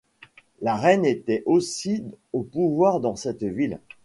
La reine était aussi au pouvoir dans cette ville.